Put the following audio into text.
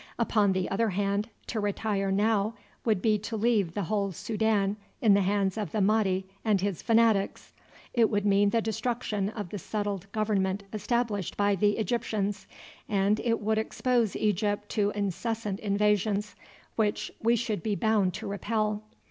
Upon the other hand, to retire now would be to leave the whole Soudan in the hands of the Mahdi and his fanatics. It would mean the destruction of the settled government established by the Egyptians, and it would expose Egypt to incessant invasions, which we should be bound to repel.